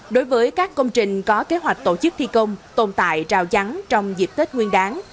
đối với các công trình có kế hoạch tổ chức thi công tồn tại rào chắn trong dịp tết nguyên đáng